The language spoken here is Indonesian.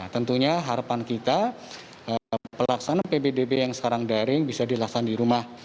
tentunya harapan kita pelaksanaan pbdb yang sekarang daring bisa dilaksanakan di rumah